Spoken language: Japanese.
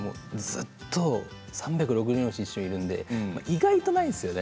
ずっと３６５日一緒にいるので意外とないんですよ。